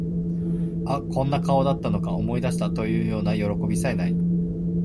あ、こんな顔だったのか、思い出した、というようなよろこびさえ無い